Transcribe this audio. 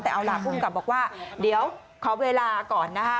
แต่เอาล่ะภูมิกับบอกว่าเดี๋ยวขอเวลาก่อนนะคะ